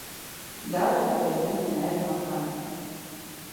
Դա վերաբերվում է նաև մահվանը։